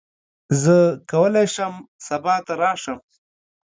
زه کولی شم سبا ته راشم.